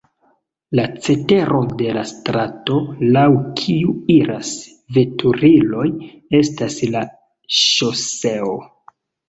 La cetero de la strato, laŭ kiu iras veturiloj estas la ŝoseo.